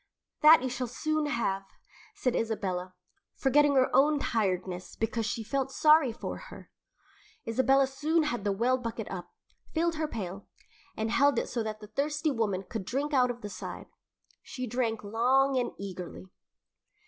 "That you shall soon have," said Isabella, forgetting her own tiredness because she felt sorry for her. Isabella soon had the well bucket up, filled her pail, and then held it so that the thirsty woman could drink out of the side. She drank long and eagerly.